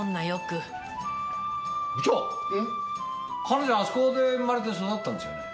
彼女あそこで生まれて育ったんですよね？